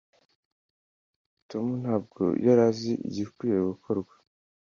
Tom ntabwo yari azi igikwiye gukorwa.